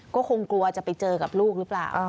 ก็คงกลัวจะไปเจอกับลูกหรือเปล่า